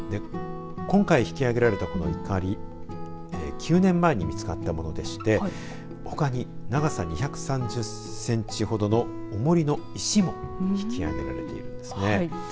今回引き揚げられたこのいかり９年前に見つかったものでしてほかに長さ２３０センチほどのおもりの石も引き揚げられているんですね。